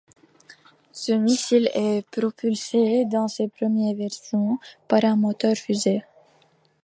Ce missile est propulsé, dans ses premières versions, par un moteur-fusée.